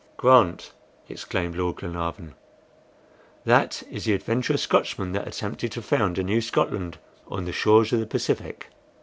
'" "Grant!" exclaimed Lord Glenarvan. "That is the adventurous Scotchman that attempted to found a new Scotland on the shores of the Pacific."